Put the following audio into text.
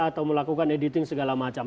atau melakukan editing segala macam